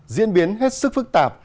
diễn biến hết sức phức tạp